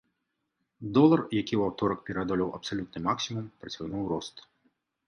Долар, які ў аўторак пераадолеў абсалютны максімум, працягнуў рост.